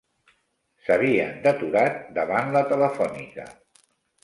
S'havien deturat davant la Telefònica